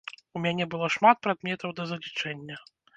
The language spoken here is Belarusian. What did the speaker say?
У мяне было шмат прадметаў да залічэння.